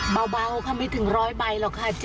เบาเขาไม่ถึง๑๐๐ใบหรอกค่ะ๗๕ใบค่ะ